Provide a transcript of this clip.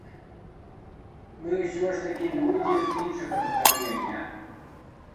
Мы ўсё ж такі людзі з іншага пакалення.